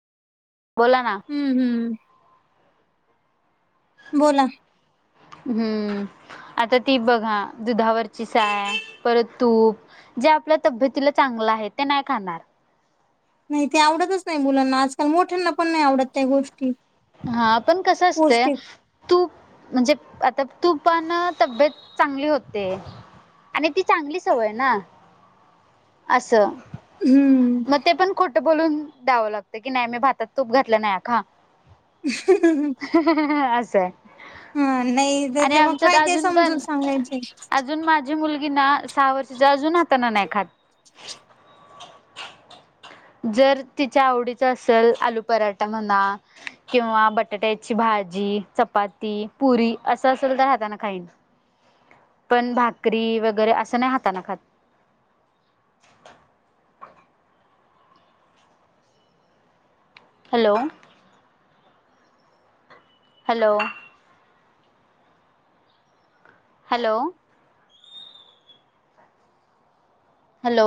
बोला ना. हम्म हम्. बोला. हम्म आता ती बघा दुधावरची साय, परत तूप जे आपल्या तब्येतीला चांगलं आहे ते नाय खाणार. नाही ते आवडतच नाही मुलांना, आजकाल मोठ्यांना पण नाही आवडत त्या गोष्टी. हा पण कसं असतयं पौष्टिक. तूप म्हणजे आता तुपानं तब्येत चांगली होतेय. आणि ती चांगली सवय ना? असं. हम्म. म ते पण खोटं बोलून द्यावं लागतंय की नाही मी भातात तूप घातलं नाहीय खा. [unintelligible] [unintelligible] असंय. हा नही त्याचे मग फायदे अजून समजून पण सांगायचे. अजून माझी मुलगी ना सहा वर्षाची, अजून हातानं नाही खात. जर तिच्या आवडीचं असल आलू पराठा म्हणा किंवा बटाट्याची भाजी, चपाती, पुरी असं असं असल तर हातानं खाईन. पण भाकरी वगैरे असं नाही हातानं खात. हॅलो. हॅलो. हॅलो. हॅलो